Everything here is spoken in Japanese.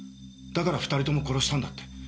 だから２人とも殺したんだって。